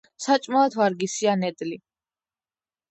საჭმელად ვარგისია ნედლი.